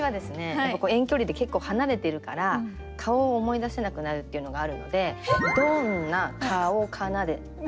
やっぱり遠距離って結構離れてるから顔を思い出せなくなるっていうのがあるのでうそ。